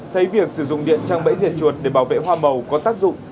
thấy việc sử dụng điện trang bẫy diệt chuột để bảo vệ hoa màu có tác dụng